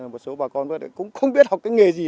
một số bà con cũng không biết học cái nghề gì